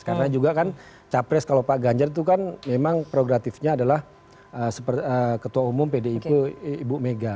karena juga kan capres kalau pak ganjar itu kan memang progratifnya adalah ketua umum pdii ibu mega